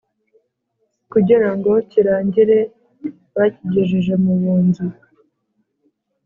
kugira ngo kirangire, bakigejeje mu bunzi